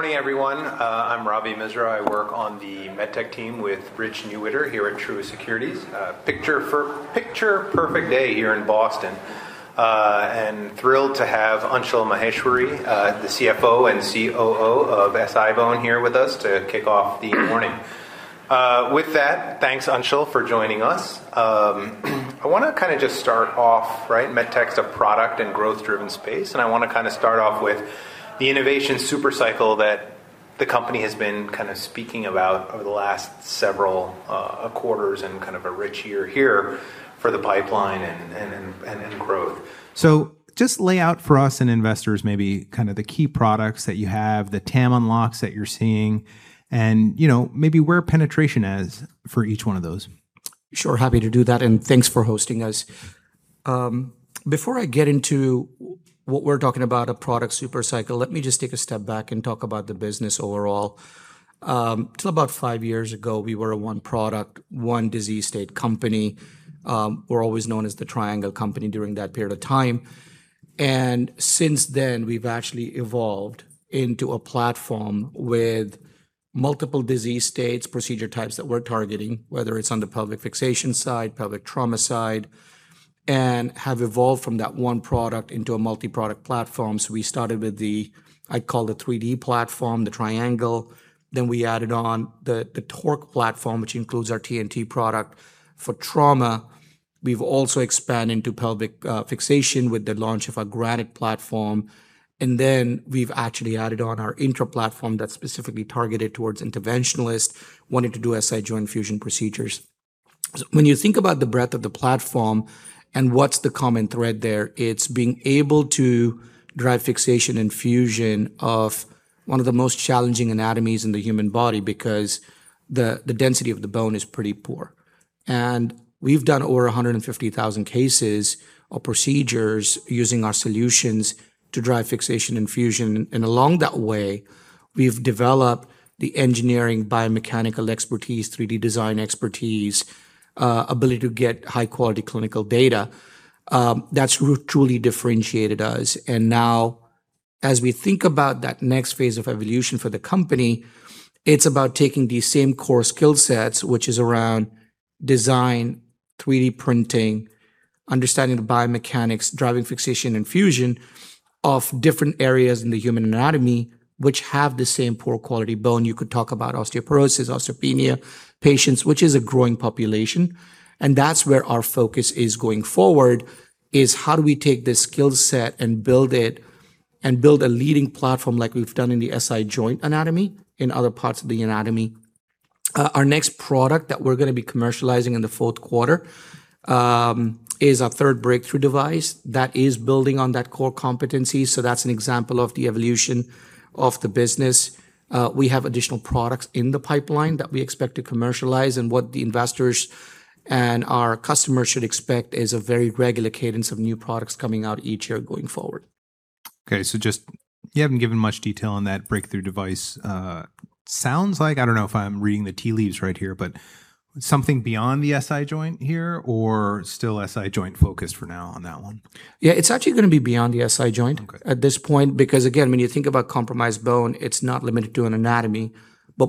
Good morning, everyone. I'm Ravi Misra. I work on the MedTech team with Rich Newitter here at Truist Securities. Picture-perfect day here in Boston, thrilled to have Anshul Maheshwari, the CFO and COO of SI-BONE here with us to kick off the morning. With that, thanks, Anshul, for joining us. I want to just start off, MedTech's a product and growth-driven space, and I want to start off with the innovation super cycle that the company has been speaking about over the last several quarters and a rich year here for the pipeline and growth. Just lay out for us and investors maybe the key products that you have, the TAM unlocks that you're seeing, and maybe where penetration is for each one of those. Sure. Happy to do that, thanks for hosting us. Before I get into what we're talking about, a product super cycle, let me just take a step back and talk about the business overall. Until about five years ago, we were a one product, one disease state company. We were always known as the Triangle Company during that period of time. Since then, we've actually evolved into a platform with multiple disease states, procedure types that we're targeting, whether it's on the pelvic fixation side, pelvic trauma side, and have evolved from that one product into a multi-product platform. We started with the, I call the iFuse-3D, the iFuse Implant System. We added on the iFuse-TORQ platform, which includes our iFuse TORQ TNT product for trauma. We've also expanded into pelvic fixation with the launch of our iFuse bedrock GRANITE platform. We've actually added on our iFuse-INTRA platform that's specifically targeted towards interventionalists wanting to do SI joint fusion procedures. When you think about the breadth of the platform and what's the common thread there, it's being able to drive fixation and fusion of one of the most challenging anatomies in the human body because the density of the bone is pretty poor. We've done over 150,000 cases or procedures using our solutions to drive fixation and fusion. Along that way, we've developed the engineering biomechanical expertise, 3D design expertise, ability to get high-quality clinical data. That's truly differentiated us. Now as we think about that next phase of evolution for the company, it's about taking these same core skill sets, which is around design, 3D printing, understanding the biomechanics, driving fixation and fusion of different areas in the human anatomy, which have the same poor quality bone. You could talk about osteoporosis, osteopenia patients, which is a growing population, and that's where our focus is going forward, is how do we take this skill set and build it and build a leading platform like we've done in the SI joint anatomy in other parts of the anatomy. Our next product that we're going to be commercializing in the fourth quarter is our third Breakthrough Device that is building on that core competency, that's an example of the evolution of the business. We have additional products in the pipeline that we expect to commercialize, and what the investors and our customers should expect is a very regular cadence of new products coming out each year going forward. Okay. You haven't given much detail on that Breakthrough Device. Sounds like, I don't know if I'm reading the tea leaves right here, but something beyond the SI joint here, or still SI joint focused for now on that one? Yeah, it's actually going to be beyond the SI joint. Okay At this point because, again, when you think about compromised bone, it's not limited to an anatomy.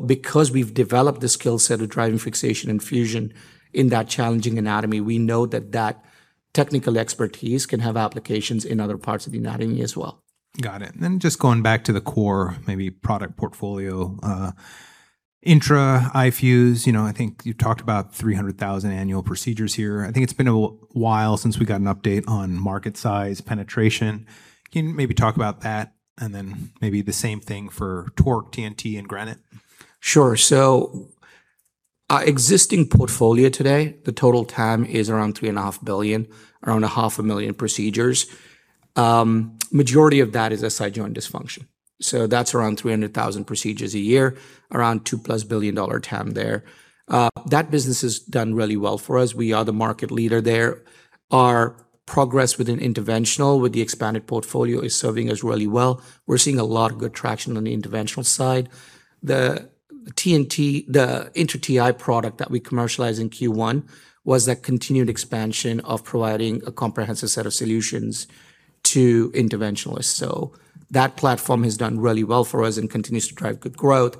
Because we've developed the skill set of driving fixation and fusion in that challenging anatomy, we know that that technical expertise can have applications in other parts of the anatomy as well. Got it. Then just going back to the core, maybe product portfolio. Intra, iFuse, I think you talked about 300,000 annual procedures here. I think it has been a while since we got an update on market size penetration. Can you maybe talk about that, and then maybe the same thing for TORQ, TNT, and GRANITE? Sure. Our existing portfolio today, the total TAM is around $3.5 billion, around 500,000 procedures. Majority of that is SI joint dysfunction. That is around 300,000 procedures a year, around $2+ billion TAM there. That business has done really well for us. We are the market leader there. Our progress within interventional with the expanded portfolio is serving us really well. We are seeing a lot of good traction on the interventional side. The Intra Ti product that we commercialized in Q1 was that continued expansion of providing a comprehensive set of solutions to interventionalists. That platform has done really well for us and continues to drive good growth.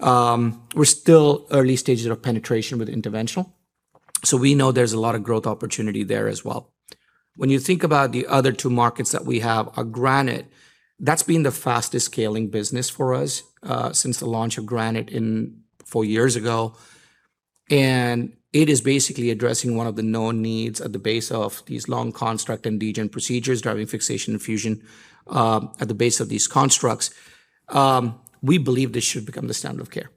We are still early stages of penetration with interventional, we know there is a lot of growth opportunity there as well. When you think about the other two markets that we have, our GRANITE, that has been the fastest-scaling business for us since the launch of GRANITE four years ago. It is basically addressing one of the known needs at the base of these long construct and degen procedures, driving fixation and fusion, at the base of these constructs. We believe this should become the standard of care.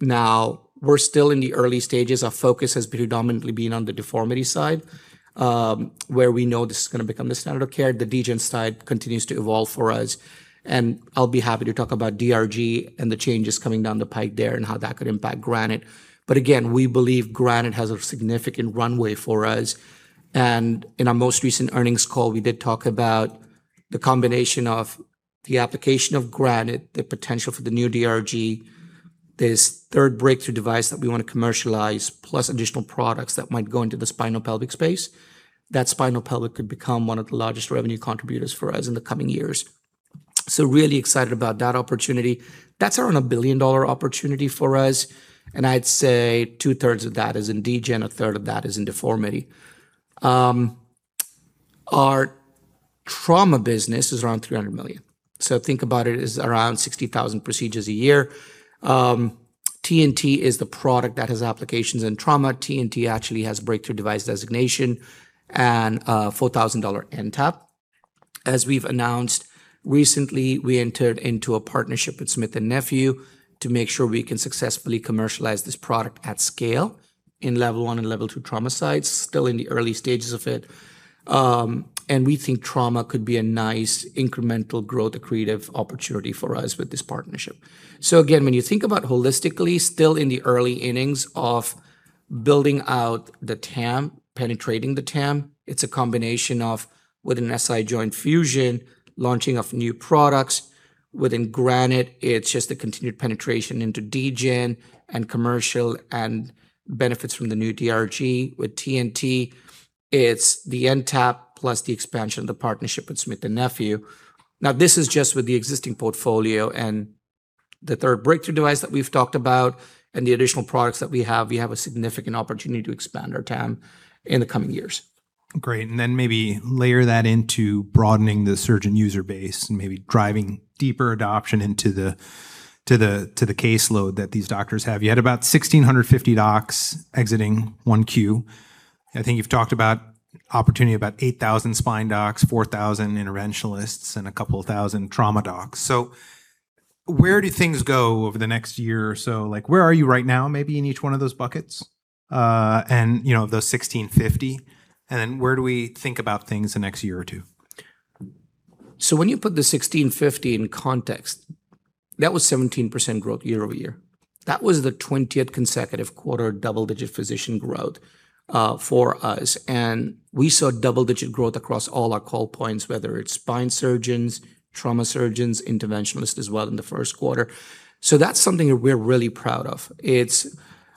We are still in the early stages. Our focus has predominantly been on the deformity side, where we know this is going to become the standard of care. The degen side continues to evolve for us, and I will be happy to talk about DRG and the changes coming down the pipe there and how that could impact GRANITE. Again, we believe GRANITE has a significant runway for us, and in our most recent earnings call, we did talk about the combination of the application of GRANITE, the potential for the new DRG. This third Breakthrough Device that we want to commercialize, plus additional products that might go into the spinopelvic space, that spinopelvic could become one of the largest revenue contributors for us in the coming years. Really excited about that opportunity. That is around a $1 billion opportunity for us, and I would say two-thirds of that is in degen, a third of that is in deformity. Our trauma business is around $300 million. Think about it is around 60,000 procedures a year. TNT is the product that has applications in trauma. TNT actually has Breakthrough Device designation and a $4,000 NTAP. As we've announced recently, we entered into a partnership with Smith+Nephew to make sure we can successfully commercialize this product at scale in level one and level two trauma sites. Still in the early stages of it. We think trauma could be a nice incremental growth accretive opportunity for us with this partnership. Again, when you think about holistically, still in the early innings of building out the TAM, penetrating the TAM, it's a combination of within SI joint fusion, launching of new products. Within GRANITE, it's just the continued penetration into degen and commercial and benefits from the new DRG. With TNT, it's the NTAP plus the expansion of the partnership with Smith+Nephew. This is just with the existing portfolio and the third Breakthrough Device that we've talked about and the additional products that we have, we have a significant opportunity to expand our TAM in the coming years. Great. Maybe layer that into broadening the surgeon user base and maybe driving deeper adoption into the caseload that these doctors have. You had about 1,650 docs exiting 1Q. I think you've talked about opportunity, about 8,000 spine docs, 4,000 interventionalists, and a couple of thousand trauma docs. Where do things go over the next year or so? Where are you right now, maybe in each one of those buckets, and those 1,650, and then where do we think about things the next year or two? When you put the 1,650 in context, that was 17% growth year-over-year. That was the 20th consecutive quarter double-digit physician growth for us. We saw double-digit growth across all our call points, whether it's spine surgeons, trauma surgeons, interventionalists as well in the first quarter. That's something that we're really proud of. It's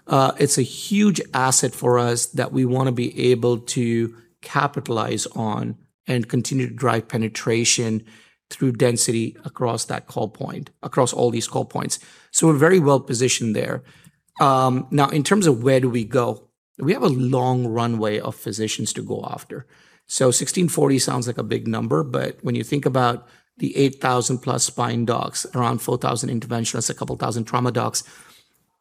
a huge asset for us that we want to be able to capitalize on and continue to drive penetration through density across that call point, across all these call points. We're very well positioned there. In terms of where do we go, we have a long runway of physicians to go after. 1,640 sounds like a big number, but when you think about the 8,000+ spine docs, around 4,000 interventionalists, a couple thousand trauma docs,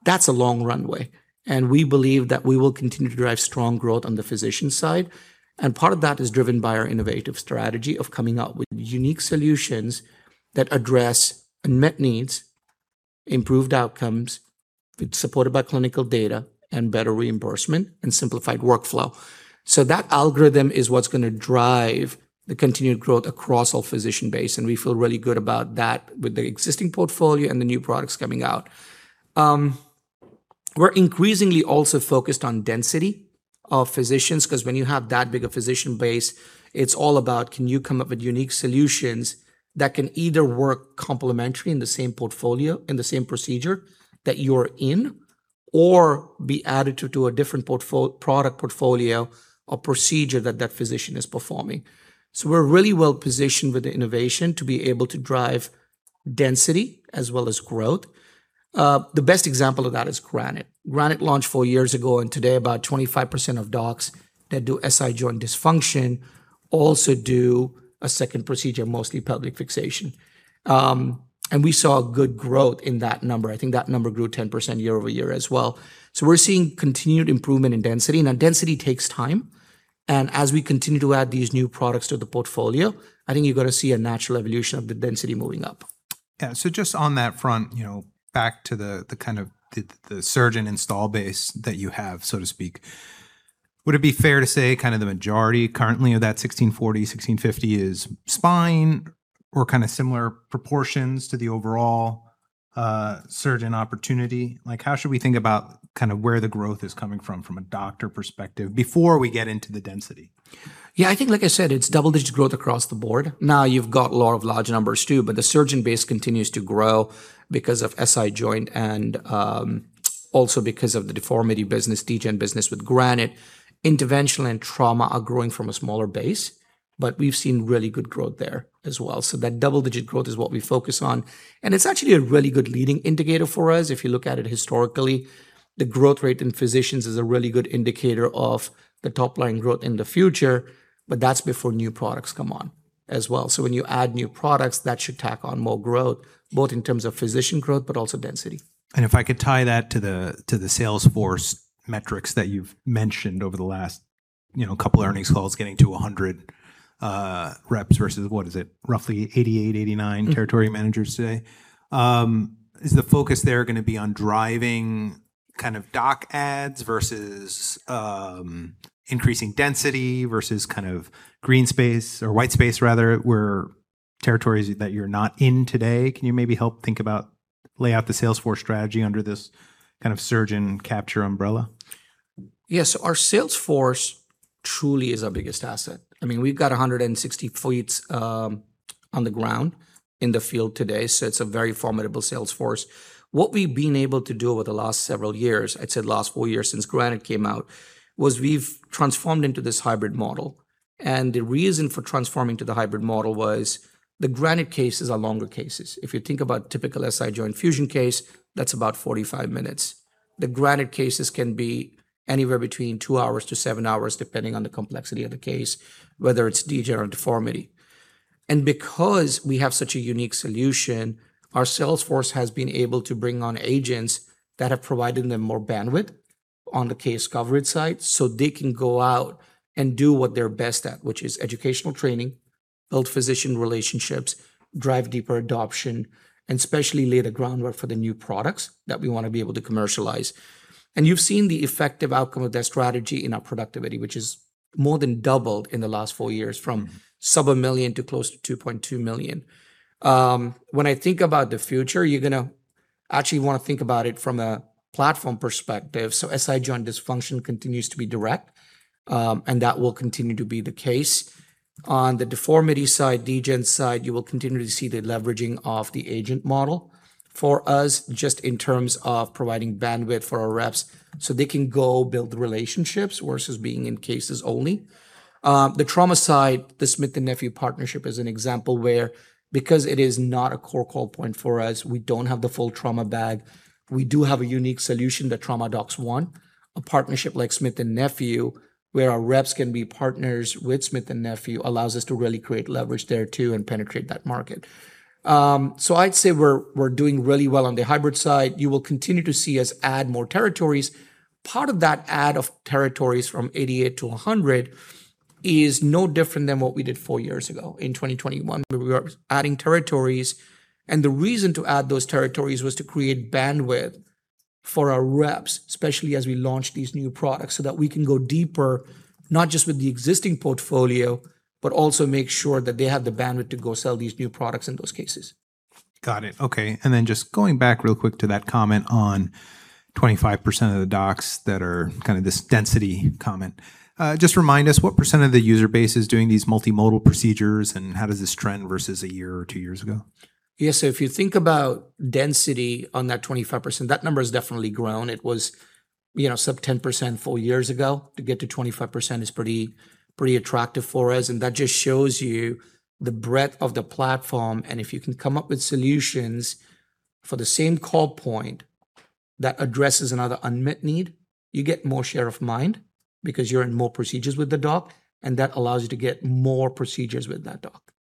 that's a long runway. We believe that we will continue to drive strong growth on the physician side. Part of that is driven by our innovative strategy of coming up with unique solutions that address unmet needs, improved outcomes, supported by clinical data and better reimbursement and simplified workflow. That algorithm is what's going to drive the continued growth across our physician base, and we feel really good about that with the existing portfolio and the new products coming out. We're increasingly also focused on density of physicians, because when you have that big a physician base, it's all about can you come up with unique solutions that can either work complementary in the same portfolio, in the same procedure that you're in, or be added to a different product portfolio or procedure that that physician is performing. We're really well positioned with the innovation to be able to drive density as well as growth. The best example of that is GRANITE. GRANITE launched four years ago, today about 25% of docs that do SI joint dysfunction also do a second procedure, mostly pelvic fixation. We saw good growth in that number. I think that number grew 10% year-over-year as well. We're seeing continued improvement in density, and density takes time. As we continue to add these new products to the portfolio, I think you're going to see a natural evolution of the density moving up. Just on that front, back to the surgeon install base that you have, so to speak. Would it be fair to say the majority currently of that 1,640, 1,650 is spine or similar proportions to the overall surgeon opportunity? How should we think about where the growth is coming from a doctor perspective before we get into the density? I think like I said, it's double-digit growth across the board. You've got a lot of large numbers too, but the surgeon base continues to grow because of SI joint and also because of the deformity business, degen business with GRANITE. Interventional and trauma are growing from a smaller base, but we've seen really good growth there as well. That double-digit growth is what we focus on, and it's actually a really good leading indicator for us. If you look at it historically, the growth rate in physicians is a really good indicator of the top-line growth in the future, but that's before new products come on as well. When you add new products, that should tack on more growth, both in terms of physician growth but also density. If I could tie that to the sales force metrics that you've mentioned over the last couple earnings calls, getting to 100 reps versus, what is it, roughly 88, 89 territory managers today. Is the focus there going to be on driving doc adds versus increasing density versus green space or white space, rather, where territories that you're not in today? Can you maybe help think about lay out the sales force strategy under this kind of surgeon capture umbrella? Yes. Our sales force truly is our biggest asset. We've got 160 feet on the ground in the field today, so it's a very formidable sales force. What we've been able to do over the last several years, I'd say the last four years since GRANITE came out, was we've transformed into this hybrid model. The reason for transforming to the hybrid model was the GRANITE cases are longer cases. If you think about typical SI joint fusion case, that's about 45 minutes. The GRANITE cases can be anywhere between two hours to seven hours, depending on the complexity of the case, whether it's degenerate deformity. Because we have such a unique solution, our sales force has been able to bring on agents that have provided them more bandwidth on the case coverage side, so they can go out and do what they're best at, which is educational training, build physician relationships, drive deeper adoption, and especially lay the groundwork for the new products that we want to be able to commercialize. You've seen the effective outcome of that strategy in our productivity, which has more than doubled in the last four years from sub $1 million to close to $2.2 million. When I think about the future, you're going to actually want to think about it from a platform perspective. SI joint dysfunction continues to be direct, and that will continue to be the case. On the deformity side, degenerate side, you will continue to see the leveraging of the agent model for us just in terms of providing bandwidth for our reps so they can go build the relationships versus being in cases only. The trauma side, the Smith+Nephew partnership is an example where, because it is not a core call point for us, we don't have the full trauma bag. We do have a unique solution that trauma docs want. A partnership like Smith+Nephew, where our reps can be partners with Smith+Nephew, allows us to really create leverage there, too, and penetrate that market. I'd say we're doing really well on the hybrid side. You will continue to see us add more territories. Part of that add of territories from 88-100 is no different than what we did four years ago in 2021, where we were adding territories. The reason to add those territories was to create bandwidth for our reps, especially as we launch these new products, that we can go deeper, not just with the existing portfolio, but also make sure that they have the bandwidth to go sell these new products in those cases. Got it. Okay. Then just going back real quick to that comment on 25% of the docs that are this density comment. Just remind us, what percent of the user base is doing these multimodal procedures, and how does this trend versus a year or two years ago? Yeah. If you think about density on that 25%, that number has definitely grown. It was sub 10% four years ago. To get to 25% is pretty attractive for us, that just shows you the breadth of the platform. If you can come up with solutions for the same call point that addresses another unmet need, you get more share of mind because you're in more procedures with the doc, that allows you to get more procedures with that doc.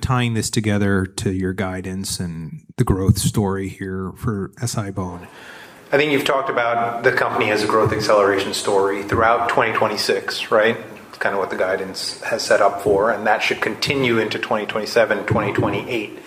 Tying this together to your guidance and the growth story here for SI-BONE. I think you've talked about the company as a growth acceleration story throughout 2026, right? It's what the guidance has set up for, that should continue into 2027, 2028.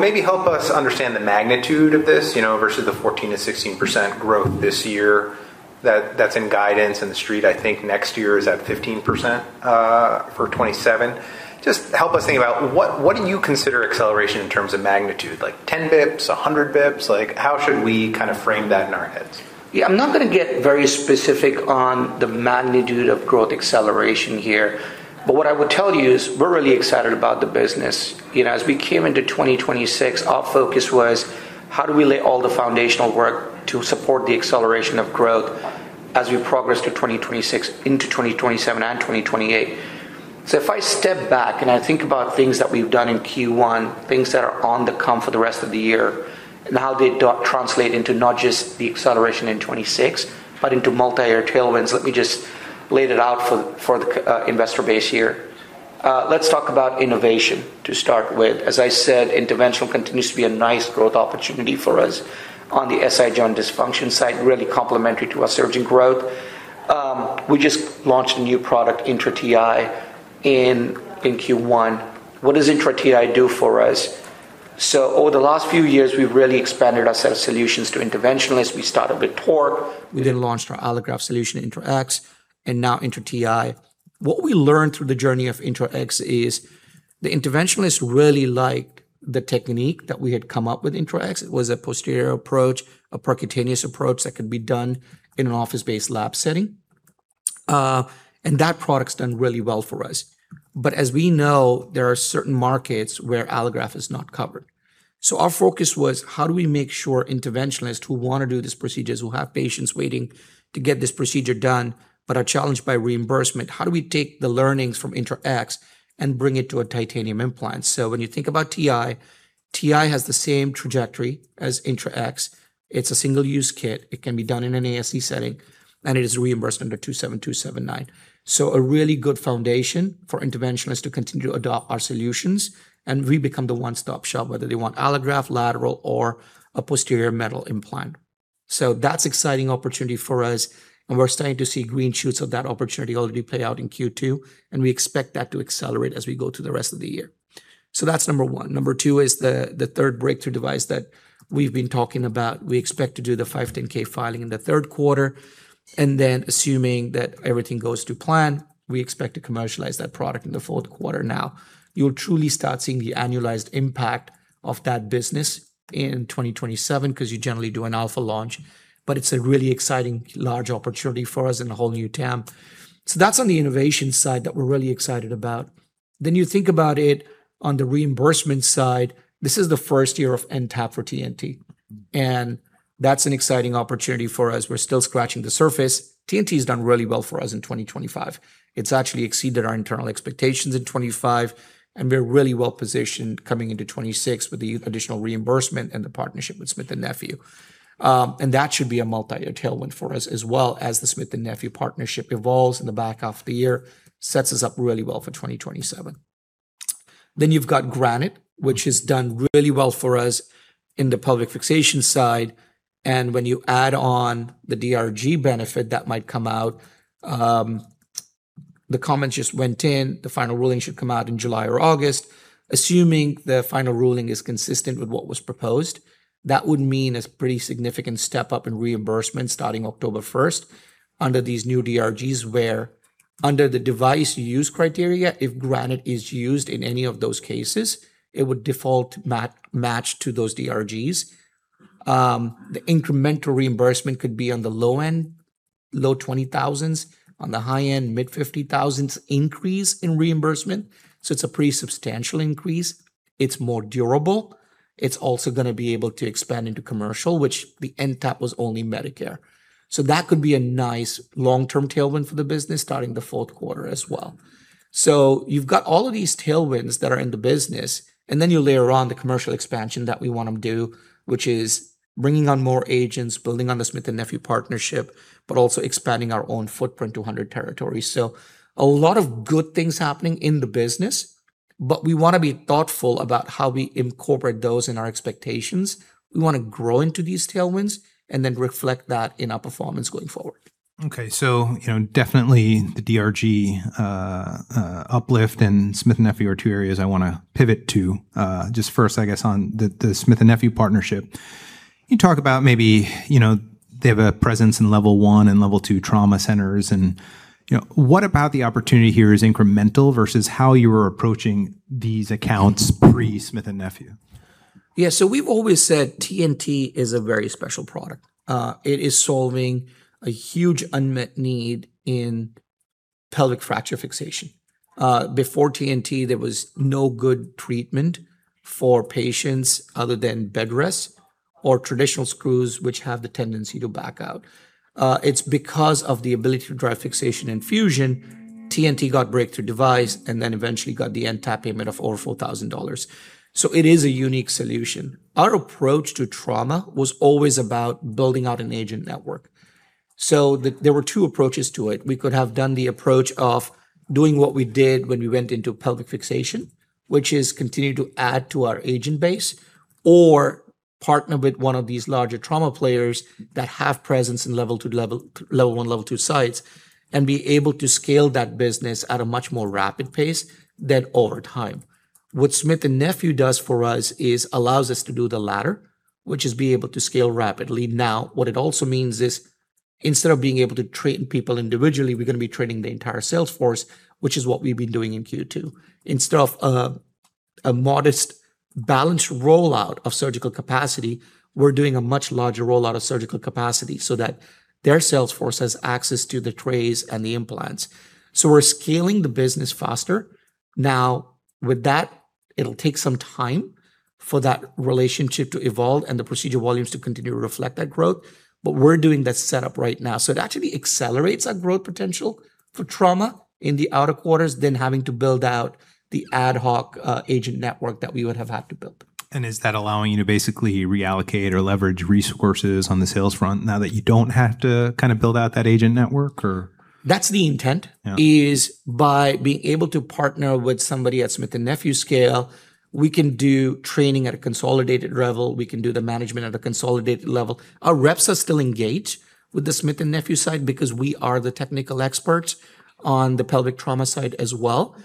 Maybe help us understand the magnitude of this, versus the 14%-16% growth this year that's in guidance in the street. I think next year is at 15% for 2027. Just help us think about what do you consider acceleration in terms of magnitude? Like 10 basis points, 100 basis points? How should we frame that in our heads? Yeah, I'm not going to get very specific on the magnitude of growth acceleration here. What I would tell you is we're really excited about the business. As we came into 2026, our focus was how do we lay all the foundational work to support the acceleration of growth as we progress through 2026 into 2027 and 2028. If I step back and I think about things that we've done in Q1, things that are on the come for the rest of the year, and how they translate into not just the acceleration in 2026 but into multi-year tailwinds. Let me just lay it out for the investor base here. Let's talk about innovation to start with. As I said, interventional continues to be a nice growth opportunity for us on the SI joint dysfunction side, really complementary to our surgeon growth. We just launched a new product, INTRA Ti, in Q1. What does INTRA Ti do for us? Over the last few years, we've really expanded our set of solutions to interventionalists. We started with TORQ, we then launched our allograft solution, INTRA X, and now INTRA Ti. What we learned through the journey of INTRA X is the interventionalists really like the technique that we had come up with INTRA X. It was a posterior approach, a percutaneous approach that can be done in an office-based lab setting. That product's done really well for us. As we know, there are certain markets where allograft is not covered. Our focus was how do we make sure interventionalists who want to do these procedures, who have patients waiting to get this procedure done but are challenged by reimbursement, how do we take the learnings from INTRA X and bring it to a titanium implant? When you think about Ti has the same trajectory as INTRA X. It's a single-use kit. It can be done in an ASC setting, and it is reimbursed under 27279. A really good foundation for interventionists to continue to adopt our solutions and we become the one-stop shop, whether they want allograft, lateral, or a posterior metal implant. That's exciting opportunity for us, and we're starting to see green shoots of that opportunity already play out in Q2, and we expect that to accelerate as we go through the rest of the year. That's number one. Number two is the third Breakthrough Device that we've been talking about. We expect to do the 510(k) filing in the third quarter, and then assuming that everything goes to plan, we expect to commercialize that product in the fourth quarter. You'll truly start seeing the annualized impact of that business in 2027 because you generally do an alpha launch, but it's a really exciting large opportunity for us in a whole new TAM. That's on the innovation side that we're really excited about. You think about it on the reimbursement side, this is the first year of NTAP for TNT, and that's an exciting opportunity for us. We're still scratching the surface. TNT's done really well for us in 2025. It's actually exceeded our internal expectations in 2025, and we're really well-positioned coming into 2026 with the additional reimbursement and the partnership with Smith+Nephew. That should be a multi-year tailwind for us as well as the Smith+Nephew partnership evolves in the back half of the year, sets us up really well for 2027. You've got GRANITE, which has done really well for us in the pelvic fixation side, and when you add on the DRG benefit that might come out, the comments just went in. The final ruling should come out in July or August. Assuming the final ruling is consistent with what was proposed, that would mean a pretty significant step-up in reimbursement starting October 1st under these new DRGs where under the device use criteria, if GRANITE is used in any of those cases, it would default match to those DRGs. The incremental reimbursement could be on the low end, low $20,000s, on the high end, mid-$50,000s increase in reimbursement, so it's a pretty substantial increase. It's more durable. It's also going to be able to expand into commercial, which the NTAP was only Medicare. That could be a nice long-term tailwind for the business starting the fourth quarter as well. You've got all of these tailwinds that are in the business, and then you layer on the commercial expansion that we want to do, which is bringing on more agents, building on the Smith+Nephew partnership, but also expanding our own footprint to 100 territories. A lot of good things happening in the business, but we want to be thoughtful about how we incorporate those in our expectations. We want to grow into these tailwinds and then reflect that in our performance going forward. Definitely the DRG uplift and Smith+Nephew are two areas I want to pivot to. Just first, I guess on the Smith+Nephew partnership. Can you talk about maybe they have a presence in level one and level two trauma centers and what about the opportunity here is incremental versus how you were approaching these accounts pre Smith+Nephew? We've always said TNT is a very special product. It is solving a huge unmet need in pelvic fracture fixation. Before TNT, there was no good treatment for patients other than bed rest or traditional screws, which have the tendency to back out. It's because of the ability to drive fixation and fusion, TNT got Breakthrough Device and then eventually got the NTAP payment of over $4,000. It is a unique solution. Our approach to trauma was always about building out an agent network. There were two approaches to it. We could have done the approach of doing what we did when we went into pelvic fixation, which is continue to add to our agent base, or partner with one of these larger trauma players that have presence in level one, level two sites and be able to scale that business at a much more rapid pace than over time. What Smith+Nephew does for us is allows us to do the latter, which is be able to scale rapidly now. What it also means is, instead of being able to train people individually, we're going to be training the entire sales force, which is what we've been doing in Q2. Instead of a modest balanced rollout of surgical capacity, we're doing a much larger rollout of surgical capacity so that their sales force has access to the trays and the implants. We're scaling the business faster. Now, with that, it'll take some time for that relationship to evolve and the procedure volumes to continue to reflect that growth, but we're doing that setup right now. It actually accelerates our growth potential for trauma in the outer quarters than having to build out the ad hoc agent network that we would have had to build. Is that allowing you to basically reallocate or leverage resources on the sales front now that you don't have to build out that agent network, or? That's the intent. Yeah By being able to partner with somebody at Smith+Nephew's scale, we can do training at a consolidated level. We can do the management at a consolidated level. Our reps are still engaged with the Smith+Nephew side because we are the technical experts on the pelvic trauma side as well.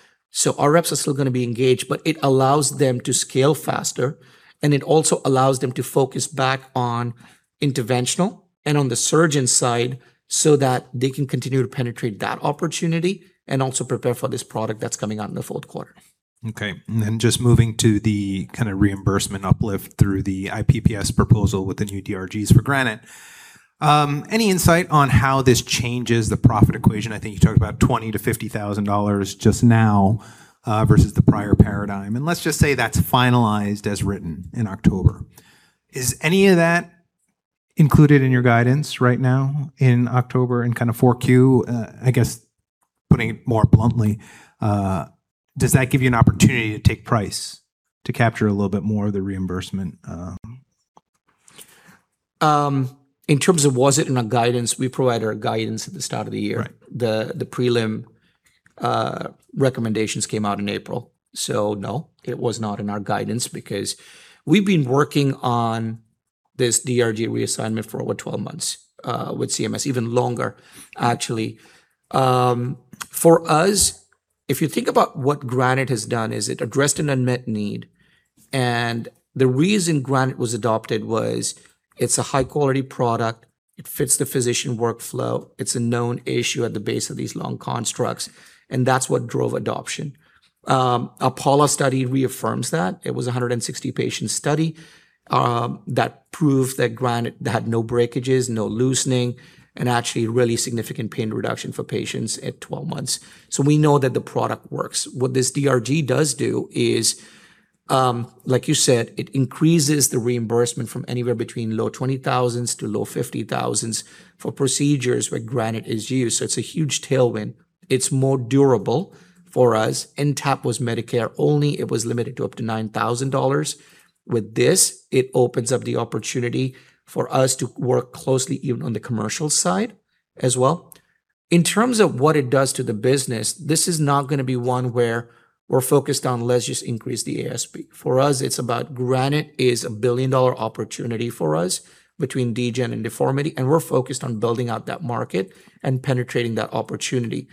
Our reps are still going to be engaged, but it allows them to scale faster, and it also allows them to focus back on interventional and on the surgeon side so that they can continue to penetrate that opportunity and also prepare for this product that's coming out in the fourth quarter. Okay. Just moving to the reimbursement uplift through the IPPS proposal with the new DRGs for GRANITE. Any insight on how this changes the profit equation? I think you talked about $20,000-$50,000 just now, versus the prior paradigm. Let's just say that's finalized as written in October. Is any of that included in your guidance right now in October and 4Q? I guess putting it more bluntly, does that give you an opportunity to take price to capture a little bit more of the reimbursement? In terms of was it in our guidance, we provide our guidance at the start of the year. Right. The prelim recommendations came out in April, no, it was not in our guidance because we've been working on this DRG reassignment for over 12 months with CMS, even longer, actually. For us, if you think about what GRANITE has done, is it addressed an unmet need. The reason GRANITE was adopted was it's a high-quality product. It fits the physician workflow. It's a known issue at the base of these long constructs, and that's what drove adoption. Apollo study reaffirms that. It was a 160-patient study that proved that GRANITE had no breakages, no loosening, and actually really significant pain reduction for patients at 12 months. We know that the product works. What this DRG does do is, like you said, it increases the reimbursement from anywhere between low $20,000s to low $50,000s for procedures where GRANITE is used. It's a huge tailwind. It's more durable for us. NTAP was Medicare only. It was limited to up to $9,000. With this, it opens up the opportunity for us to work closely, even on the commercial side as well. In terms of what it does to the business, this is not going to be one where we're focused on let's just increase the ASP. For us, it's about GRANITE is a billion-dollar opportunity for us between degen and deformity, and we're focused on building out that market and penetrating that opportunity.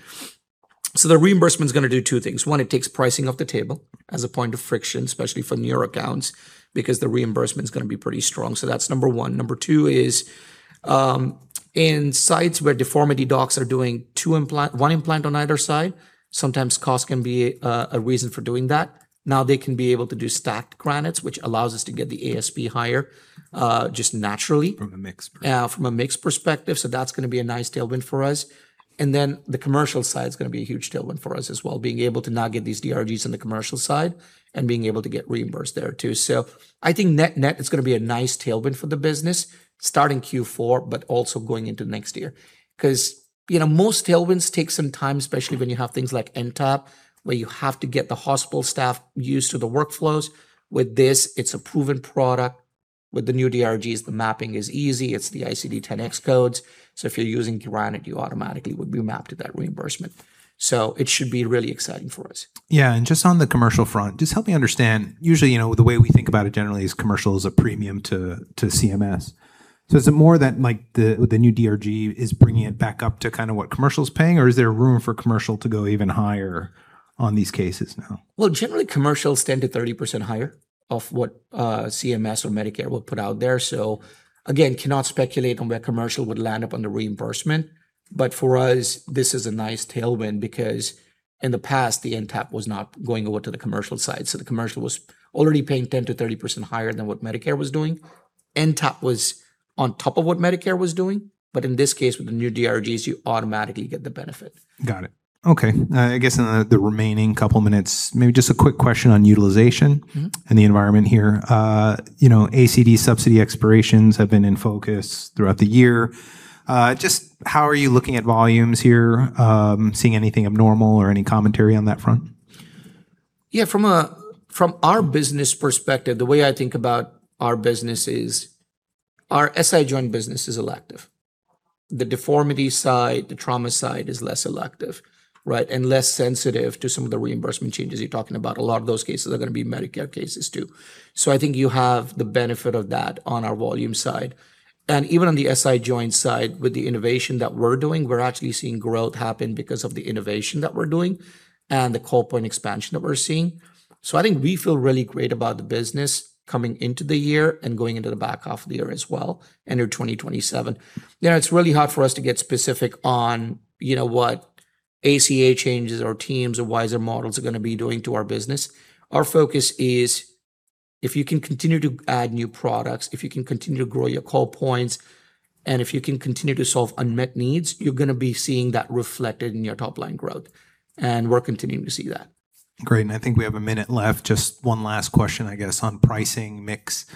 The reimbursement's going to do two things. One, it takes pricing off the table as a point of friction, especially for newer accounts, because the reimbursement's going to be pretty strong. That's number one. Number two is, in sites where deformity docs are doing one implant on either side, sometimes cost can be a reason for doing that. Now they can be able to do stacked GRANITEs, which allows us to get the ASP higher, just naturally. From a mix perspective. From a mix perspective. That's going to be a nice tailwind for us. The commercial side's going to be a huge tailwind for us as well. Being able to now get these DRGs on the commercial side and being able to get reimbursed there too. I think net-net, it's going to be a nice tailwind for the business starting Q4 but also going into next year. Most tailwinds take some time, especially when you have things like NTAP, where you have to get the hospital staff used to the workflows. With this, it's a proven product. With the new DRGs, the mapping is easy. It's the ICD-10 X codes. If you're using GRANITE, you automatically would be mapped to that reimbursement. It should be really exciting for us. Yeah. Just on the commercial front, just help me understand. Usually, the way we think about it generally is commercial is a premium to CMS. Is it more that the new DRG is bringing it back up to what commercial's paying, or is there room for commercial to go even higher on these cases now? Well, generally, commercial's 10%-30% higher of what CMS or Medicare will put out there. Again, cannot speculate on where commercial would land up on the reimbursement. For us, this is a nice tailwind because in the past, the NTAP was not going over to the commercial side. The commercial was already paying 10%-30% higher than what Medicare was doing. NTAP was on top of what Medicare was doing. In this case, with the new DRGs, you automatically get the benefit. Got it. Okay. I guess in the remaining couple minutes, maybe just a quick question on utilization. The environment here. ASC subsidy expirations have been in focus throughout the year. Just how are you looking at volumes here? Seeing anything abnormal or any commentary on that front? Yeah, from our business perspective, the way I think about our business is our SI joint business is elective. The deformity side, the trauma side is less elective, right? Less sensitive to some of the reimbursement changes you're talking about. A lot of those cases are going to be Medicare cases, too. I think you have the benefit of that on our volume side. Even on the SI joint side, with the innovation that we're doing, we're actually seeing growth happen because of the innovation that we're doing and the call point expansion that we're seeing. I think we feel really great about the business coming into the year and going into the back half of the year as well, enter 2027. Now, it's really hard for us to get specific on what ACA changes or teams or WISeR Model are going to be doing to our business. Our focus is if you can continue to add new products, if you can continue to grow your call points, and if you can continue to solve unmet needs, you're going to be seeing that reflected in your top-line growth. We're continuing to see that. Great, I think we have a minute left. Just one last question, I guess, on pricing mix.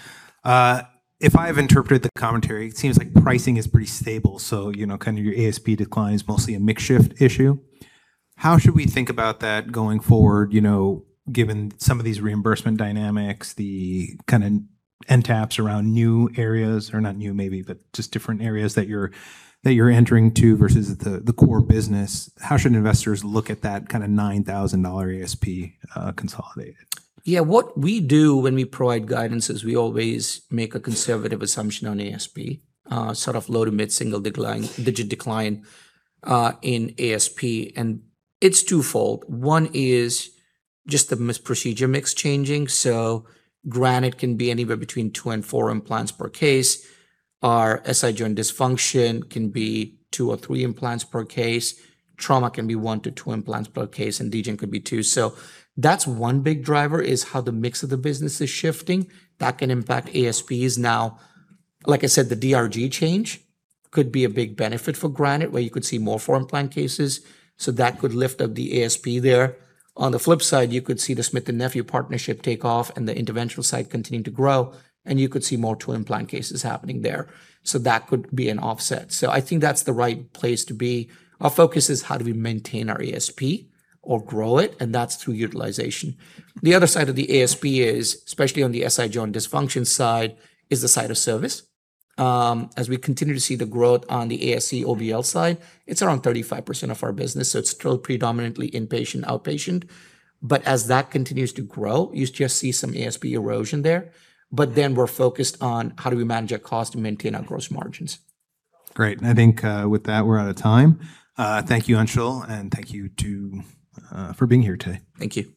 If I've interpreted the commentary, it seems like pricing is pretty stable. Your ASP decline is mostly a mix shift issue. How should we think about that going forward, given some of these reimbursement dynamics, the kind of NTAPs around new areas, or not new maybe, but just different areas that you're entering to versus the core business. How should investors look at that kind of $9,000 ASP consolidated? Yeah. What we do when we provide guidance is we always make a conservative assumption on ASP, sort of low to mid-single-digit decline in ASP, and it's twofold. One is just the procedure mix changing. GRANITE can be anywhere between two and four implants per case. Our SI joint dysfunction can be two or three implants per case. Trauma can be one to two implants per case, and degen could be two. That's one big driver is how the mix of the business is shifting. That can impact ASPs now. Like I said, the DRG change could be a big benefit for GRANITE, where you could see more four implant cases. That could lift up the ASP there. On the flip side, you could see the Smith+Nephew partnership take off and the interventional side continue to grow, and you could see more two-implant cases happening there. That could be an offset. I think that's the right place to be. Our focus is how do we maintain our ASP or grow it, and that's through utilization. The other side of the ASP is, especially on the SI joint dysfunction side, is the side of service. As we continue to see the growth on the ASC OBL side, it's around 35% of our business, so it's still predominantly inpatient, outpatient. As that continues to grow, you just see some ASP erosion there. Then we're focused on how do we manage our cost and maintain our gross margins. Great. I think, with that, we're out of time. Thank you, Anshul, and thank you too, for being here today. Thank you.